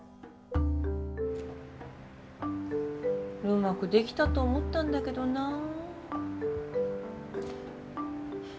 うまくできたと思ったんだけどなあ。